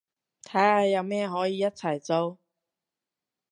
睇下有咩可以一齊做